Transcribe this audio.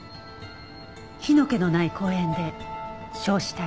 火の気のない公園で焼死体。